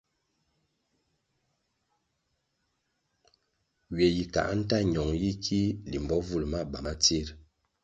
Ywe yi kā nta ñong yi ki limbo vul maba ma tsir?